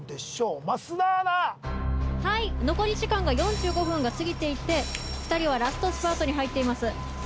増田アナはい残り時間が４５分が過ぎていて２人はラストスパートに入っていますそうです